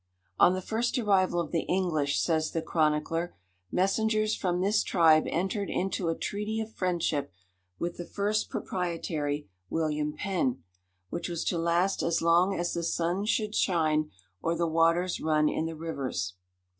"On the first arrival of the English," says the chronicler, "messengers from this tribe entered into a treaty of friendship with the first proprietary, William Penn, which was to last as long as the sun should shine, or the waters run in the rivers.